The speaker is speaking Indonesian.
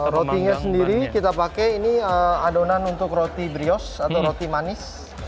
roti nya sendiri kita pakai adonan untuk roti brioche atau roti manis